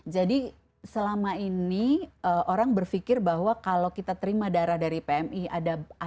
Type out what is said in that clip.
jadi selama ini orang berfikir bahwa kalau kita terima darah dari pmi ada biaya yang kita berikan